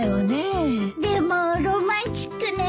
でもロマンチックね。